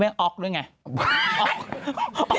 กัญชัยมอบให้คุณจะเอายังอื่นนะครับ